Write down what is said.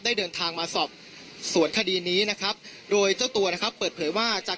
ได้เดินทางมาสอบสวนคดีนี้นะครับโดยเจ้าตัวนะครับเปิดเผยว่าจาก